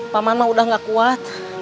paman mah udah gak kuat